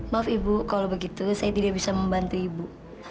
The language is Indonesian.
maaf ibu kalau begitu saya tidak bisa membantu ibu